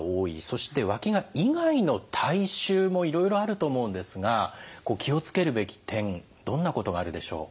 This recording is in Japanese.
そしてわきが以外の体臭もいろいろあると思うんですが気を付けるべき点どんなことがあるでしょう？